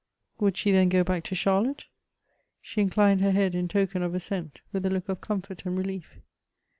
Would she then go back to Charlotte ? She inclined her head in token of assent, with a look of com fort and relief.